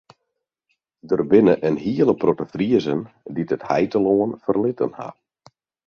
Der binne in hiele protte Friezen dy't it heitelân ferlitten ha.